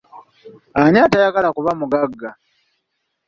Ani atayagala kuba mugagga?